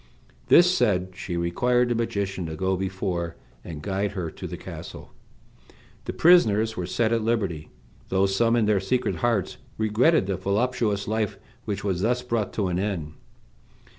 This said, she required the magician to go before, and guide her to the castle. The prisoners were set at liberty, though some, in their secret hearts, regretted the voluptuous life which was thus brought to an end.